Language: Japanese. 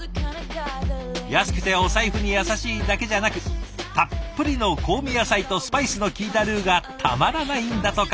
安くてお財布に優しいだけじゃなくたっぷりの香味野菜とスパイスのきいたルーがたまらないんだとか。